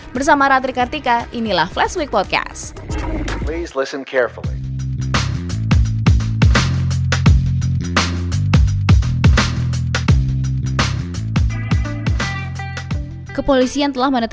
bersama radhika kartika inilah flashweek podcast